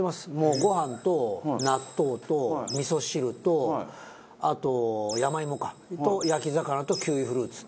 ご飯と納豆と味噌汁とあと山芋か。と焼き魚とキウイフルーツって。